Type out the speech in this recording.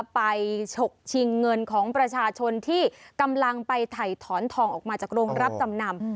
ฉกชิงเงินของประชาชนที่กำลังไปถ่ายถอนทองออกมาจากโรงรับจำนำ